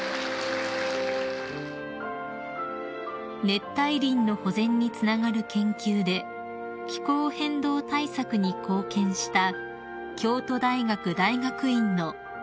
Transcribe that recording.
［熱帯林の保全につながる研究で気候変動対策に貢献した］